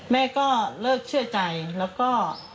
แม่ก็เลิกเชื่อใจแล้วก็